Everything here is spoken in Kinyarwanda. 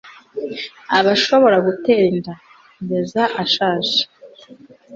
aba ashobora gutera inda kugeza ashaje